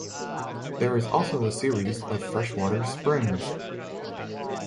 There is also a series of freshwater springs.